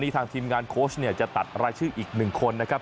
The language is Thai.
ทางทีมงานโค้ชจะตัดรายชื่ออีกหนึ่งคนนะครับ